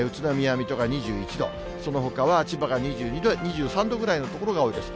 水戸が２１度、そのほかは千葉が２２度、２３度ぐらいの所が多いです。